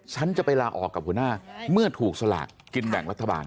ฉันจะไปลาออกกับคุณภาคเมื่อถูกสลากกินแบ่งวัฒนฑ์บาง